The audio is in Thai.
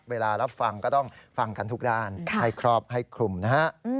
เวลารับฟังก็ต้องฟังกันทุกด้านให้ครอบให้คลุมนะฮะ